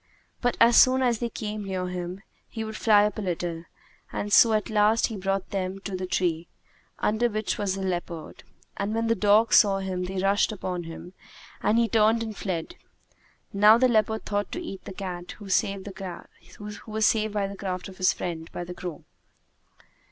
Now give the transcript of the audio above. But as soon as they came near him, he would fly up a little; and so at last he brought them to the tree, under which was the leopard. And when the dogs saw him they rushed upon him and he turned and fled. Now the leopard thought to eat the cat who was saved by the craft of his friend the crow.